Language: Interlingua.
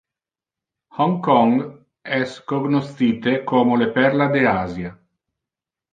Hong Kong es cognoscite como le Perla de Asia.